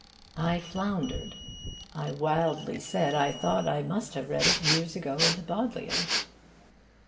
I floundered. I wildly said I thought I must have read it years ago in the Bodleian.